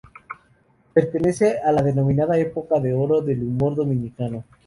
Pertenece a la denominada "Época de Oro del Humor Dominicano".